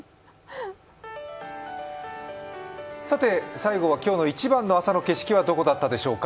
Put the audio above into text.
最後は今日の一番の朝の景色はどこだったでしょうか？